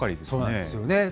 そうなんですよね。